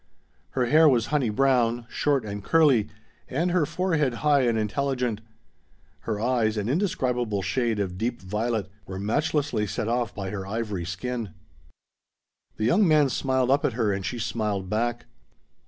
Her hair was honey brown, short and curly, and her forehead high and intelligent. Her eyes, an indescribable shade of deep violet, were matchlessly set off by her ivory skin. The young man smiled up at her, and she smiled back.